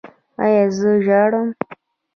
ایا زه ژاړم؟